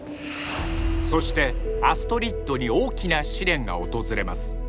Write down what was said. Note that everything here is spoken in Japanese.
そしてアストリッドに大きな試練が訪れます